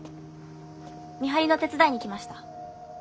見張りの手伝いに来ました。